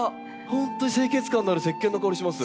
本当に清潔感のあるせっけんの香りします。